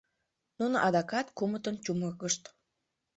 Нуно адакат кумытын чумыргышт.